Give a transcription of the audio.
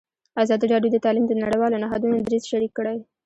ازادي راډیو د تعلیم د نړیوالو نهادونو دریځ شریک کړی.